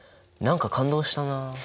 何か感動したな。